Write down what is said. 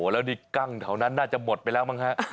แล้วนี่กั้งแถวนั้นน่าจะหมดไปแล้วมั้งฮะ